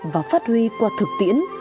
và phát huy qua thực tiễn